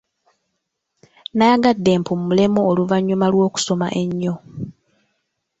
Nayagadde mpummulemu oluvanyuma lw'okusoma ennyo.